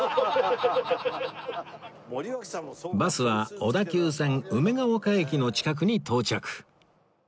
バスは小田急線梅ヶ丘駅の近くに到着